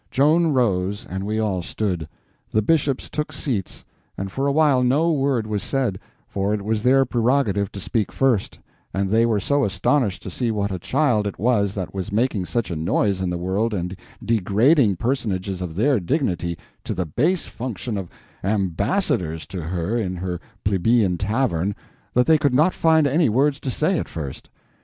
Joan rose, and we all stood. The bishops took seats, and for a while no word was said, for it was their prerogative to speak first, and they were so astonished to see what a child it was that was making such a noise in the world and degrading personages of their dignity to the base function of ambassadors to her in her plebeian tavern, that they could not find any words to say at first.